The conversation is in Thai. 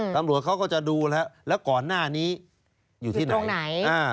ตำรวจเขาก็จะดูแล้วแล้วก่อนหน้านี้อยู่ที่ไหน